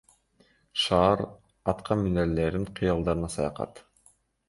Шаар аткаминерлеринин кыялдарына саякат